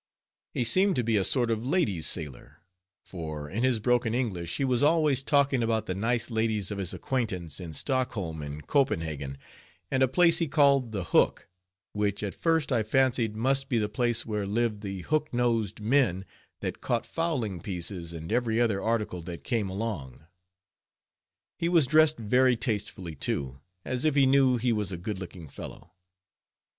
He seemed to be a sort of lady's sailor, for in his broken English he was always talking about the nice ladies of his acquaintance in Stockholm and Copenhagen and a place he called the Hook, which at first I fancied must be the place where lived the hook nosed men that caught fowling pieces and every other article that came along. He was dressed very tastefully, too, as if he knew he was a good looking fellow.